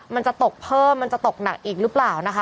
มันจะตกเพิ่มมันจะตกหนักอีกหรือเปล่านะคะ